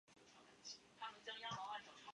干扰素伽玛是水溶性二聚体的细胞因子。